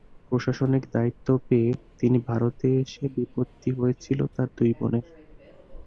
প্রশাসনিক দায়িত্ব পেয়ে তিনি ভারতে এসে বিপত্তি হয়েছিল তাঁর দুই বোনের।